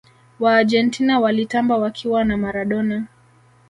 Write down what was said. waargentina walitamba wakiwa na maradona